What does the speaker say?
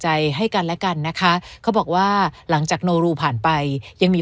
ใจให้กันและกันนะคะเขาบอกว่าหลังจากโนรูผ่านไปยังมี